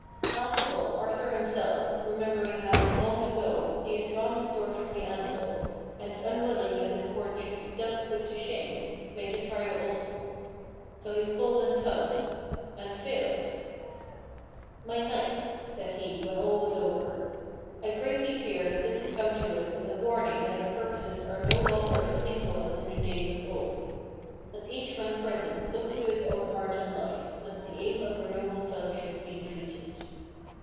Last of all Arthur himself, remembering how, long ago, he had drawn the sword from the anvil, and unwilling that his court should be thus put to shame, made the trial also. So he pulled and tugged — and failed. "My knights," said he when all was over, "I greatly fear that this has come to us as a warning that our purposes are no longer as single as in the days of old. Let each man present look to his own heart and life, lest the aim of our noble fellowship be defeated."